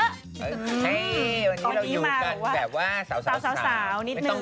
เฮ้วันนี้เราอยู่กันแบบว่าสาวสาวนิดนึงค่ะ